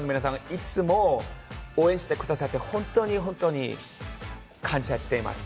いつも応援してくださって、本当に本当に感謝しています。